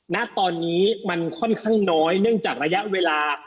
ณตอนนี้มันค่อนข้างน้อยเนื่องจากระยะเวลา